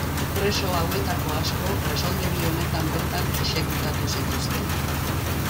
Preso hauetako asko presondegi honetan bertan exekutatu zituzten.